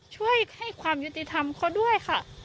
ช่วยให้ความยุติธรรมเขาด้วยค่ะ